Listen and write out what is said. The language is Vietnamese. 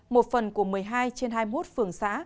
một phần của một mươi hai trên hai mươi một phường xã